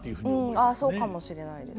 ああそうかもしれないです。